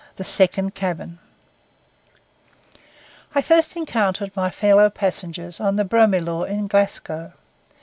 THE SECOND CABIN I first encountered my fellow passengers on the Broomielaw in Glasgow.